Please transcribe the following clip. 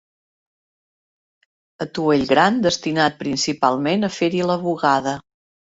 Atuell gran destinat principalment a fer-hi la bugada.